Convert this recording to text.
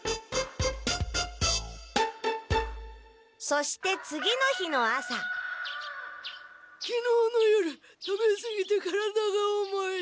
そして次の日の朝きのうの夜食べすぎて体が重い。